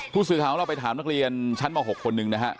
ผู้สื่อถามเราไปถามนักเรียนชั้นมา๖คนนึงนะครับ